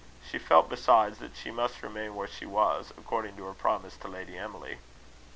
She felt besides that she must remain where she was, according to her promise to Lady Emily.